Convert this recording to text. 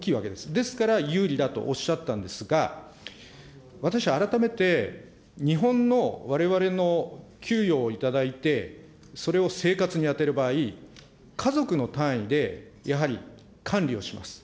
ですから、有利だとおっしゃったんですが、私、改めて日本の、われわれの給与を頂いて、それを生活に充てる場合、家族の単位で、やはり管理をします。